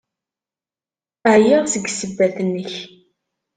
Ɛyiɣ seg ssebbat-nnek!